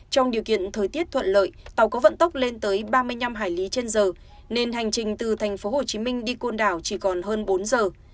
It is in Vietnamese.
trong điều kiện thời tiết thuận lợi tàu có vận tốc lên tới ba mươi năm hải lý trên giờ nên hành trình từ tp hcm đi côn đảo chỉ còn hơn bốn giờ